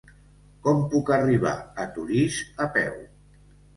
Com puc arribar a Torís a peu?